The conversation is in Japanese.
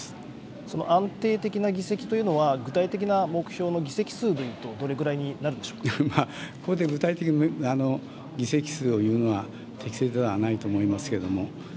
その安定的な議席というのは、具体的な目標の議席数で言うと、まあ、ここで具体的に議席数を言うのは、適切ではないと思いますけども。